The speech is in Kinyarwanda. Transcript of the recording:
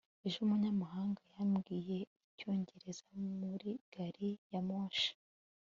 ejo umunyamahanga yambwiye icyongereza muri gari ya moshi